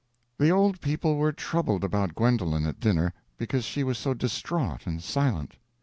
The old people were troubled about Gwendolen at dinner, because she was so distraught and silent.